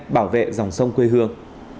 bảo vệ dòng sông quê hương